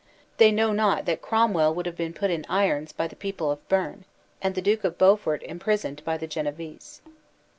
They know not that Cromwell would have been put in irons by the people of Berne, and the Duke of Beaufort imprisoned by the Genevese.